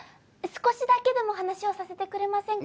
少しだけでも話をさせてくれませんか？